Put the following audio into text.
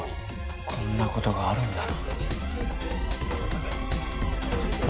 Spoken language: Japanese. こんなことがあるんだなあ